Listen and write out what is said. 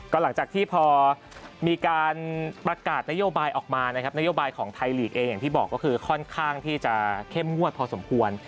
ก็หลังจากที่พอมีการประกาศนโยบายออกมานะครับนโยบายของไทยลีกเองอย่างที่บอกก็คือค่อนข้างที่จะเข้มงวดพอสมควร